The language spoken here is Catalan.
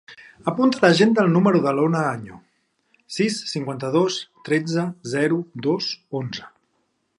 Apunta a l'agenda el número de l'Ona Año: sis, cinquanta-dos, tretze, zero, dos, onze.